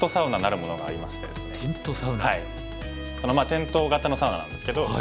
テント型のサウナなんですけど。